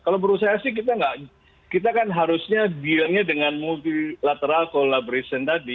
kalau berusaha sih kita kan harusnya deal nya dengan multilateral collaboration tadi